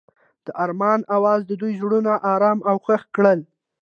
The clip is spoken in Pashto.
د آرمان اواز د دوی زړونه ارامه او خوښ کړل.